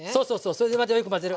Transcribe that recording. それでまたよく混ぜる。